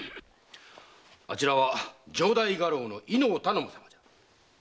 あちらは城代家老の飯尾頼母様じゃ。